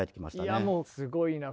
いやもうすごいな。